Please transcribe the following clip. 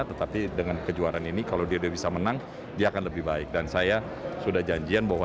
tetapi dengan kejuaraan ini kalau dia bisa menang dia akan lebih baik dan saya sudah janjian bahwa